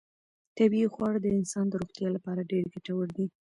طبیعي خواړه د انسان د روغتیا لپاره ډېر ګټور دي.